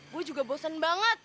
gue juga bosan banget